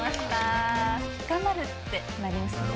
「頑張る」ってなりますね